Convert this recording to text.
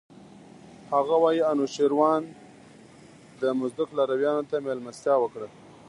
هغه وايي انوشیروان د مزدک لارویانو ته مېلمستیا وکړه.